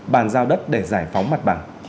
bàn giao đất để giải phóng mặt bằng